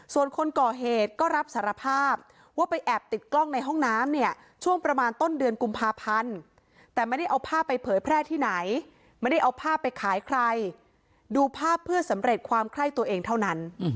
ส่วนคนก่อเหตุก็รับสารภาพว่าไปแอบติดกล้องในห้องน้ำเนี่ยช่วงประมาณต้นเดือนกุมภาพันธ์แต่ไม่ได้เอาภาพไปเผยแพร่ที่ไหนไม่ได้เอาภาพไปขายใครดูภาพเพื่อสำเร็จความไข้ตัวเองเท่านั้น